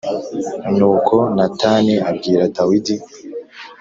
Nuko Natani abwira Dawidi